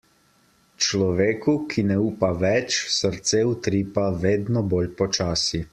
Človeku, ki ne upa več, srce utripa vedno bolj počasi.